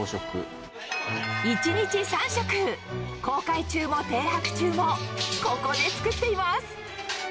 一日３食航海中も停泊中もここで作っています